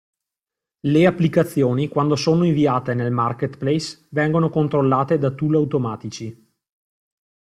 Le applicazioni quando sono inviate nel marketplace vengono controllate da tool automatici.